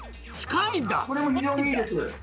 これも非常にいいです。